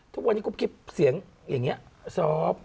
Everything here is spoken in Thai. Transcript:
ทุกวันนี้กุ๊กกิ๊บเสียงอย่างนี้ซอฟต์